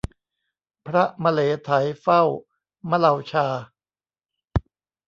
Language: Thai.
พระมะเหลไถเฝ้ามะเลาชา